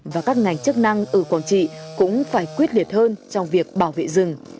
và các ngành chức năng ở quảng trị cũng phải quyết liệt hơn trong việc bảo vệ rừng